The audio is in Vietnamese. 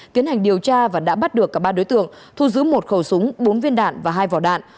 tiến hành điều tra và đã bắt được cả ba đối tượng thu giữ một khẩu súng bốn viên đạn và hai vỏ đạn